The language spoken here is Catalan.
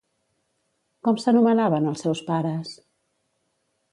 Com s'anomenaven els seus pares?